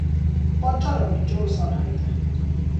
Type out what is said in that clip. Պատճառը մինչ օրս անհայտ է։